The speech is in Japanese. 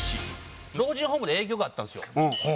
老人ホームで営業があったんですよ。